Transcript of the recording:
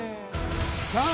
さあ